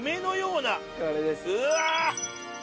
うわ！